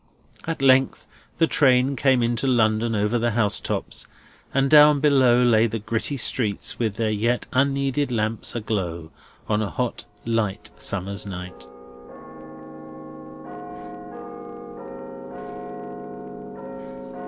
At length the train came into London over the housetops; and down below lay the gritty streets with their yet un needed lamps a glow, on a hot, light, summer night.